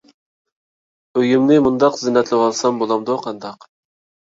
ئۆيۈمنى مۇنداق زىننەتلىۋالسام بولامدۇ قانداق؟